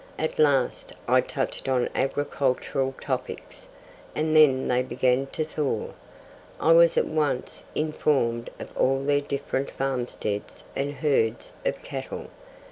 At last I touched on agricultural topics, and then they began to thaw. I was at once informed of all their different farmsteads and herds of cattle.